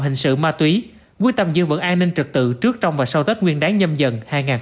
hình sự ma túy quy tâm giữ vững an ninh trật tự trước trong và sau tết nguyên đáng nhâm dần hai nghìn hai mươi hai